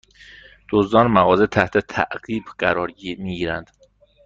دزدان مغازه تحت تعقیب قرار می گیرند